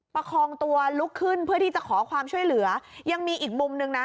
ประคองตัวลุกขึ้นเพื่อที่จะขอความช่วยเหลือยังมีอีกมุมนึงนะ